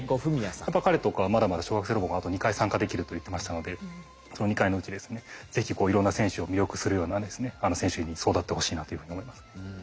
やっぱり彼とかまだまだ小学生ロボコンあと２回参加できると言ってましたのでその２回のうちですね是非いろんな選手を魅力するような選手に育ってほしいなというふうに思いますね。